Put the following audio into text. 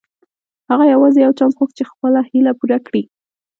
هغه يوازې يو چانس غوښت چې خپله هيله پوره کړي.